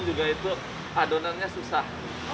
juga itu adonannya susah